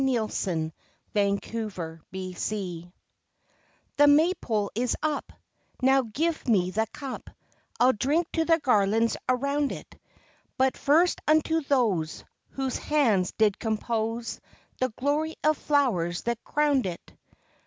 THE MAYPOLE The May pole is up, Now give me the cup; I'll drink to the garlands around it; But first unto those Whose hands did compose The glory of flowers that crown'd it.